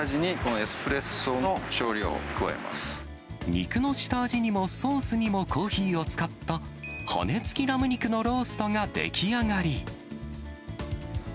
隠し味に、肉の下味にも、ソースにもコーヒーを使った、骨付きラム肉のローストの出来上がり。